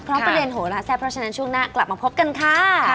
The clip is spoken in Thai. เพราะประเด็นโหลาแซ่บเพราะฉะนั้นช่วงหน้ากลับมาพบกันค่ะ